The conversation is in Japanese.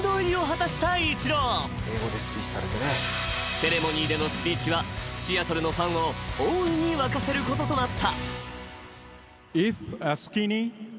［セレモニーでのスピーチはシアトルのファンを大いに沸かせることとなった］